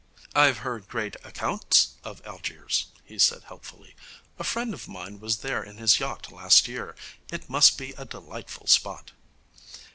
'I've heard great accounts of Algiers,' he said helpfully. 'A friend of mine was there in his yacht last year. It must be a delightful spot.'